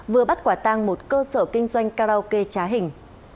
vừa bắt quả tăng một cơ sở kinh doanh karaoke trá hình